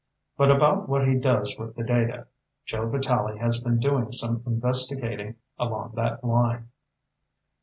But about what he does with the data Joe Vitalli has been doing some investigating along that line."